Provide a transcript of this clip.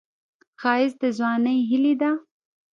ښایست د ځوانۍ هیلې ده